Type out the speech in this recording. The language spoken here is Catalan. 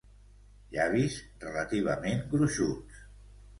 Llavis relativament gruixuts.